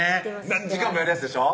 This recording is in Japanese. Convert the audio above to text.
何時間もやるやつでしょ？